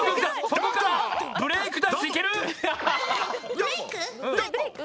そこからブレイクダンスいける？ブレイク？